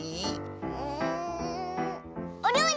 うんおりょうり！